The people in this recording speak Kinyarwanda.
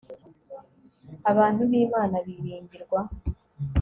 abantu b imana biringirwa